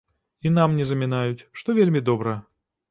І нам не замінаюць, што вельмі добра.